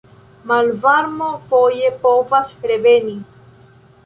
Malvarmo foje povas reveni.